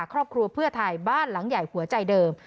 ครอบครัวเพื่อไทยบ้านหลังใหญ่หัวใจเดิม